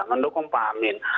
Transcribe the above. mendukung pak amin